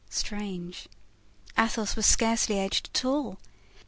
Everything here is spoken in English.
Strange! Athos was scarcely aged at all!